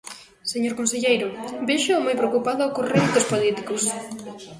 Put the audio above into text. Señor conselleiro, véxoo moi preocupado cos réditos políticos.